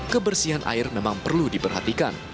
kebersihan air memang perlu diperhatikan